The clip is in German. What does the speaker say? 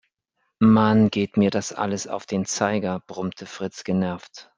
"Mann, geht mir das alles auf den Zeiger", brummte Fritz genervt.